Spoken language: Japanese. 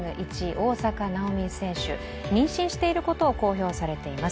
大坂なおみ選手、妊娠していることを公表されています。